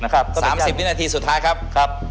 ๓๐นาทีสุดท้ายครับครับ